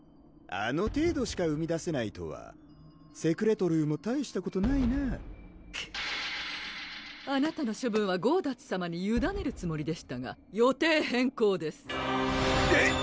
あの程度しか生み出せないとはセクレトルーも大したことないなあなたの処分はゴーダッツさまにゆだねるつもりでしたが予定変更ですえっ？